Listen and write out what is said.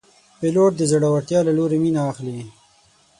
پیلوټ د زړورتیا له لورې مینه اخلي.